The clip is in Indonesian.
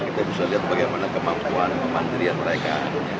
kita bisa lihat bagaimana kemampuan kemandirian mereka